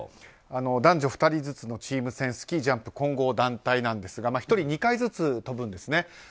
男女２人ずつのチーム戦スキージャンプ混合なんですが１人２回ずつ飛ぶんですね。